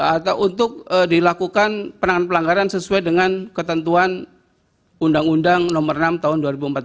atau untuk dilakukan penanganan pelanggaran sesuai dengan ketentuan undang undang nomor enam tahun dua ribu empat belas